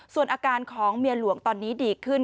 ส่วนอาการของเมียหลวงตอนนี้ดีขึ้น